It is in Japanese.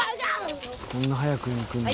「こんな早くに行くんだ」